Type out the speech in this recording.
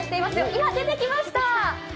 今、出てきました。